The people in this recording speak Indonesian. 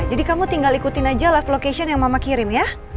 jadi kamu tinggal ikutin aja live location yang mama kirim ya